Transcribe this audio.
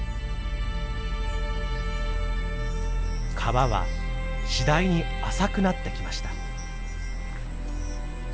川は次第に浅くなってきました。